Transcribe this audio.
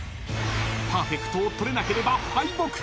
［パーフェクトをとれなければ敗北］